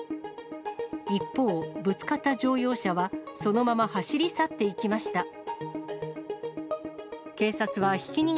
一方、ぶつかった乗用車は、そのまま走り去っていきました。